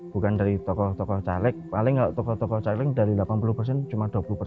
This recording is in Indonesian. bukan dari tokoh tokoh caleg paling tokoh tokoh caleg dari delapan puluh persen cuma dua puluh persen